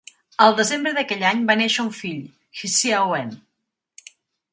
Al desembre d'aquell any va néixer un fill, Hsiao-wen.